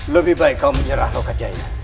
lebih baik kau menyerah loh kejaya